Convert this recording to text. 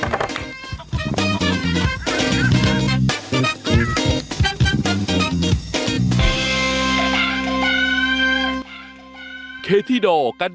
ไปค่ะ